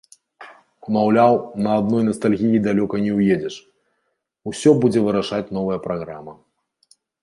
Маўляў, на адной настальгіі далёка не ўедзеш, усё будзе вырашаць новая праграма.